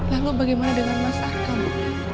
lalu bagaimana dengan mas arka bu